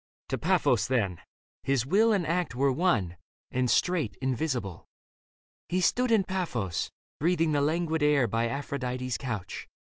To Paphos then ! His will And act were one ; and straight, invisible. He stood in Paphos, breathing the languid air By Aphrodite's couch.